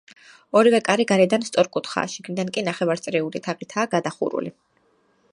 ორივე კარი გარედან სწორკუთხაა, შიგნიდან კი ნახევარწრიული თაღითაა გადახურული.